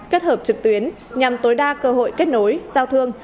kết hợp trực tuyến nhằm tối đa cơ hội kết nối giao thương